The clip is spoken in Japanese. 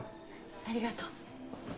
ありがとう。